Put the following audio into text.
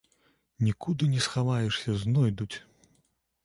Нікуды не схаваешся, знойдуць.